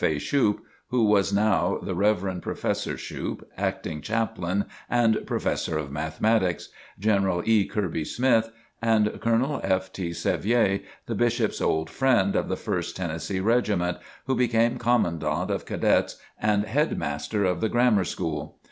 A. Shoup, (who was now the Rev. Professor Shoup, acting chaplain and Professor of Mathematics;) General E. Kirby Smith; and Colonel F. T. Sevier, the Bishop's old friend of the First Tennessee Regiment, who became Commandant of Cadets and head master of the Grammar School.